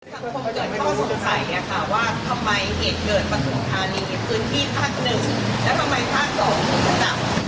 สังคมเกิดข้อสงสัยค่ะว่าทำไมเหตุเกิดมาสูงทาง